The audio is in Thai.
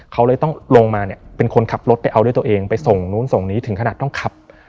เขาเลยต้องลงมาเนี่ยเป็นคนขับรถไปเอาด้วยตัวเองไปส่งนู้นส่งนี้ถึงขนาดต้องขับ